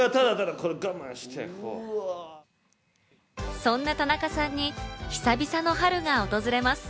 そんな田中さんに久々の春が訪れます。